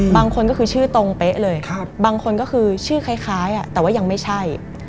บางคนก็คือชื่อตรงเป๊ะเลยบางคนก็คือชื่อคล้ายแต่ว่ายังไม่ใช่